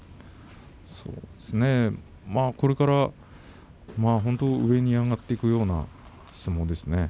そうですねこれから本当に上に上がっていくような相撲ですね。